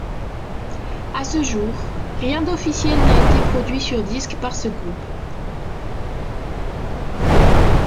À ce jour, rien d'officiel n'a été produit sur disque par ce groupe.